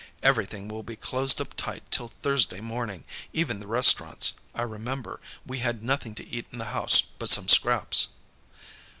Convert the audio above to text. Everything will be closed up tight till Thursday morning; even the restaurants. I remember, we had nothing to eat in the house but some scraps."